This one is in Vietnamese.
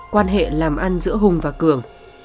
quan hệ làm ăn giữa hùng và cường